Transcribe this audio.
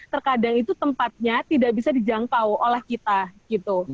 terkadang itu tempatnya tidak bisa dijangkau oleh kita gitu